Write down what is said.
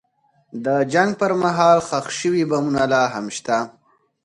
د جنګ پر مهال ښخ شوي بمونه لا هم شته.